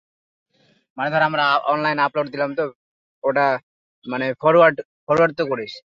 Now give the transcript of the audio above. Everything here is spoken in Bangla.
একদম দক্ষিণ দিকের অধিবাসীরা জাতীয় ভাষা জংখায় কথা বলা হয়ে থাকে।